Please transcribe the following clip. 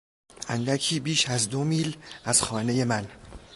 اندکی بیش از دو میل از خانهی من